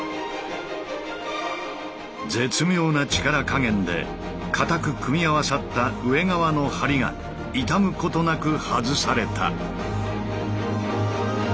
絶妙な力加減でかたく組み合わさった上側の梁が傷むことなく外された。